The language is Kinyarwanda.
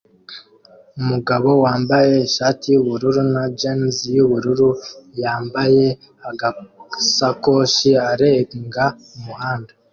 Umugabo wambaye ishati yubururu na jans yubururu yambaye agasakoshi arenga umuhanda